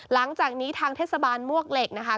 หลังจากนี้ทางเทศบาลมวกเหล็กนะคะ